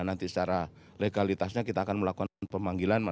nanti secara legalitasnya kita akan melakukan pemanggilan